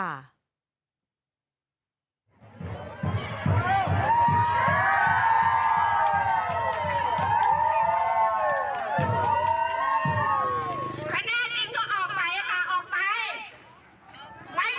อุ้ย